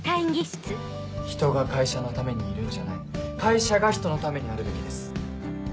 人が会社のためにいるんじゃない会社が人のためにあるべきです。